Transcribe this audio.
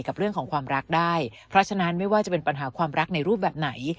กับเรื่องของความรักได้เพราะฉะนั้นไม่ว่าจะเป็นปัญหาความรักในรูปแบบไหน